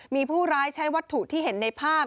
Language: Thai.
มีผู้ร้ายใช้วัตถุที่เห็นในภาพ